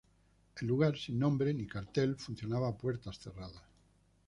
El lugar, sin nombre ni cartel, funcionaba a puertas cerradas.